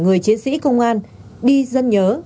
người chiến sĩ công an đi dân nhớ